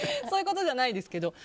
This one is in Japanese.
そういうことじゃないですけど。